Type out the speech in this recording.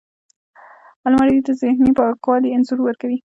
الماري د ذهن پاکوالي انځور ورکوي